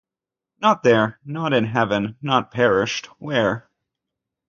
Not there — not in heaven — not perished — where?